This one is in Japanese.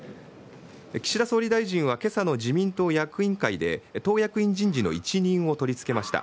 岸田総理大臣はけさの自民党役員会で、党役員人事の一任を取り付けました。